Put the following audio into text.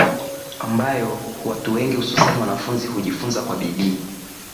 ambayo watu wengi hususani wanafunzi hujifunza kwa bidii